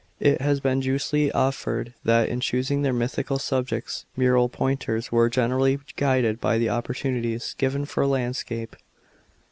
It has been justly observed that in choosing their mythical subjects mural painters were generally guided by the opportunities given tor land scape.